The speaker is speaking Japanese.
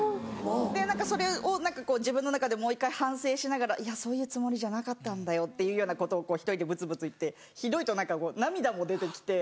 でそれを自分の中でもう一回反省しながらそういうつもりじゃなかったんだっていうようなことを１人でぶつぶつ言ってひどいと涙も出てきて。